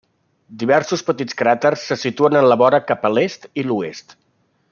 Diversos petits cràters se situen en la vora cap a l'est i l'oest.